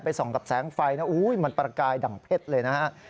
ส่องกับแสงไฟนะมันประกายดั่งเพชรเลยนะฮะ